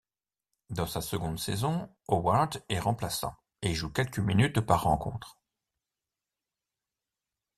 Dans sa seconde saison, Howard est remplaçant et joue quelques minutes par rencontre.